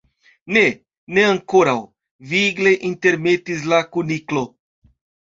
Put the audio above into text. "Ne, ne ankoraŭ," vigle intermetis la Kuniklo.